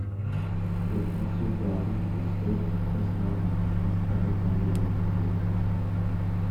It also broadened the scope of personnel actions covered under those provisions.